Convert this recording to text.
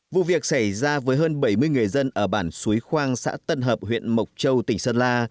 vụ việc xảy ra với hơn bảy mươi người dân ở bản suối khoang xã tân hợp huyện mộc châu tỉnh sơn la